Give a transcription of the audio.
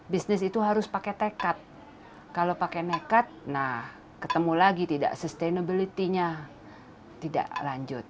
bisnis itu harus pakai tekad kalau pakai nekat nah ketemu lagi tidak sustainability nya tidak lanjut